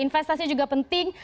investasi juga penting